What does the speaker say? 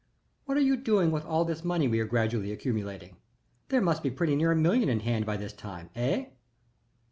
"What are you doing with all this money we are gradually accumulating? There must be pretty near a million in hand by this time eh?"